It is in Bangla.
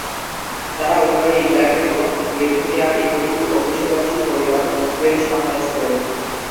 তারা উভয়ই ইংল্যান্ড এবং লিথুয়ানিয়ার ইহুদী অভিবাসী পরিবারের সন্তান ছিলেন।